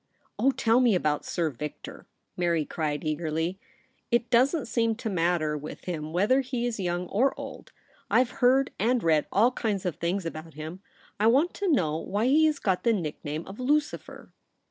'Oh, tell me about Sir Victor!' Mary cried eagerly. ' It doesn't seem to matter with MARY BEATOX. 73 him whether he is young or old. I've heard and read all kinds of things about him. I want to know why he has got the nickname of " Lucifer